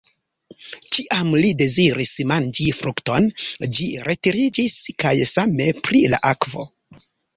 Kiam li deziris manĝi frukton, ĝi retiriĝis kaj same pri la akvo.